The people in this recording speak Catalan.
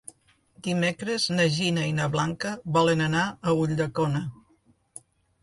Dimecres na Gina i na Blanca volen anar a Ulldecona.